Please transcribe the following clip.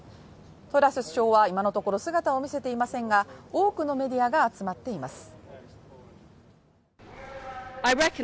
トラス首相は今のところ姿を見せていませんが、多くのメディアが集まっています。